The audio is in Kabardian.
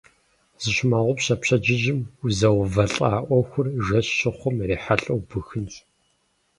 Зыщумыгъэгъупщэ: пщэдджыжьым узэувалӀэ Ӏуэхур жэщ щыхъум ирихьэлӀэу бухынщ.